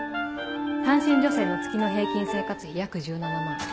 単身女性の月の平均生活費約１７万。